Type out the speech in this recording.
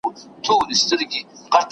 ریترز لیکلي چي انقلابونه اساسي عامل دي.